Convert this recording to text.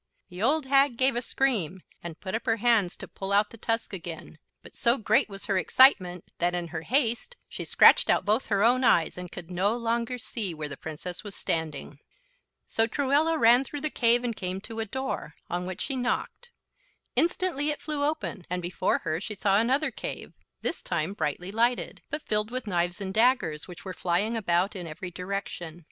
The old hag gave a scream and put up her hands to pull out the tusk again, but so great was her excitement that in her haste she scratched out both her own eyes, and could no longer see where the Princess was standing. So Truella ran through the cave and came to, a door, on which she knocked. Instantly it flew open, and before her she saw another cave, this time brightly lighted, but filled with knives and daggers, which were flying about in every direction.